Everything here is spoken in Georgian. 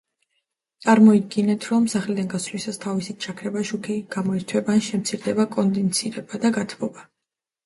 წარმოიდგინეთ, რომ სახლიდან გასვლისას თავისით ჩაქრება შუქი; გამოირთვება, ან შემცირდება კონდიცირება და გათბობა.